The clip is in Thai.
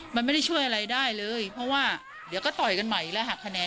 มันไม่ได้ช่วยอะไรได้เลยเพราะว่าเดี๋ยวก็ต่อยกันใหม่และหักคะแนน